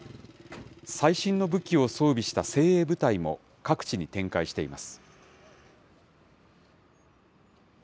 最新の武器を装備した精鋭部隊も各地に展開しています。